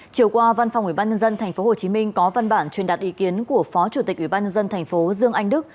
chiều qua văn phòng ubnd tp hcm có văn bản truyền đạt ý kiến của phó chủ tịch ubnd tp dương anh đức